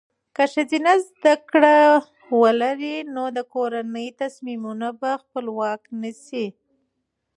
که ښځه زده کړه ولري، نو د کورنۍ تصمیمونه په خپلواکه نیسي.